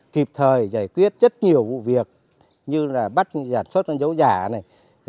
kịp thời giải quyết rất nhiều vụ việc như là bắt giảm xuất dấu giả